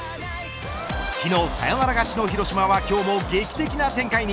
昨日、サヨナラ勝ちの広島は今日も劇的な展開に。